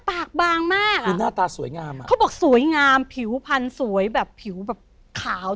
ปากบางมากคือหน้าตาสวยงามอ่ะเขาบอกสวยงามผิวพันธุ์สวยแบบผิวแบบขาว